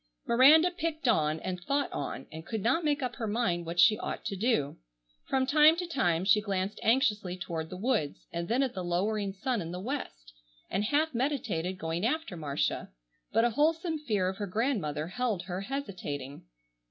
Miranda picked on, and thought on, and could not make up her mind what she ought to do. From time to time she glanced anxiously toward the woods, and then at the lowering sun in the West, and half meditated going after Marcia, but a wholesome fear of her grandmother held her hesitating.